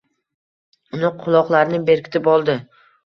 Uni quloqlarini berkitib oldi.